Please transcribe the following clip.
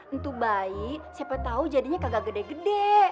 entuh bayi siapa tau jadinya kagak gede gede